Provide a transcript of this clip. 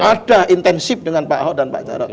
ada intensif dengan pak ahok dan pak jarod